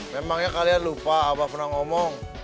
memangnya kalian lupa abah pernah ngomong